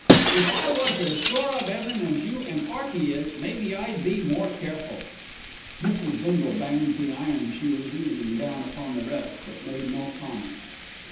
If I was as sure of 'eaven as you an' 'Earty is, maybe I'd be more careful." Mrs. Bindle banged the iron she was using down upon the rest, but made no comment.